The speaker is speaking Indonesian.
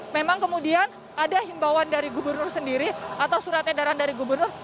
memang kemudian ada himbauan dari gubernur sendiri atau surat edaran dari gubernur